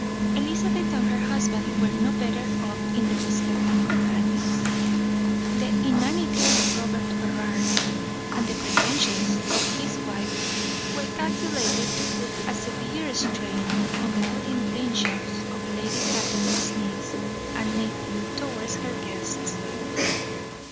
Elizabeth and her husband were no better off in their respective companions. The inanities of Robert Ferrars, and the pretensions of his wife, were calculated to put a severe strain on the good intentions of Lady Catherine's niece and nephew towards her guests.